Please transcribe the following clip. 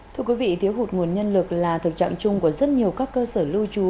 thưa quý vị thiếu hụt nguồn nhân lực là thực trạng chung của rất nhiều các cơ sở lưu trú